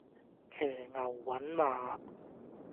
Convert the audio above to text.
騎牛揾馬